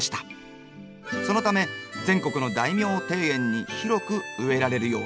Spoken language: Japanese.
そのため全国の大名庭園にひろく植えられるようになりました。